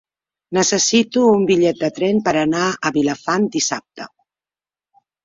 Necessito un bitllet de tren per anar a Vilafant dissabte.